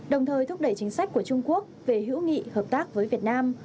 đồng thời thúc đẩy chính sách của trung quốc về hữu nghị hợp tác với việt nam